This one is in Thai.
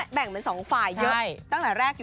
แบ่งเป็น๒ฝ่ายเยอะตั้งแต่แรกอยู่